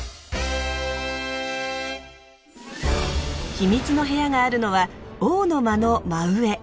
秘密の部屋があるのは「王の間」の真上。